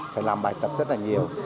phải làm bài tập rất là nhiều